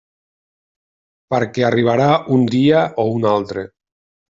Perquè arribarà un dia o un altre.